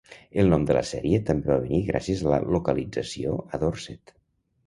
El nom de la sèrie també va venir gràcies a la localització a Dorset.